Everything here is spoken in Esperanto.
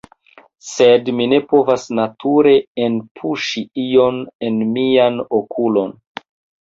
Sed mi ne povas nature enpuŝi ion en mian okulon